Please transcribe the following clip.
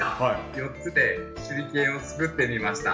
４つで手裏剣を作ってみました。